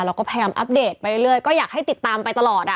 เราก็พยายามอัปเดตไปเรื่อยก็อยากให้ติดตามไปตลอด